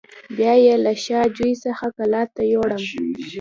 بیا یې له شا جوی څخه کلات ته یووړم.